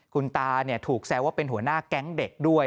คุณตาถูกแซวว่าเป็นหัวหน้าแก๊งเด็กด้วย